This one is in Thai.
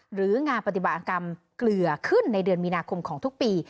หรืองานปฏิบัติกรรมเกลือขึ้นในเดือนมีนาคมของทุกปี